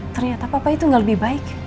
ternyata papa itu gak lebih baik